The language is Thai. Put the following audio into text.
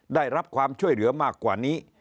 ได้รับความช่วยเหลือมากกว่านี้